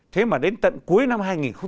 thế mà đến tận cuối năm hai nghìn một mươi tám